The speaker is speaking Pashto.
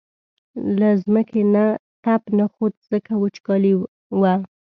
له ځمکې نه تپ نه خوت ځکه وچکالي وه.